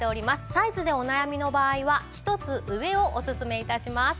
サイズでお悩みの場合は一つ上をおすすめ致します。